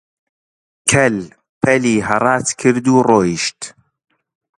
کەل-پەلی هەڕاج کرد و ڕۆیشت